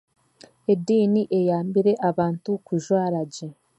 Ediini eyambire abantu kujwaragye.